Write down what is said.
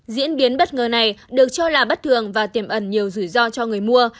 diễn biến bất ngờ này được cho là bất thường và tiềm ẩn nhiều rủi ro cho người mua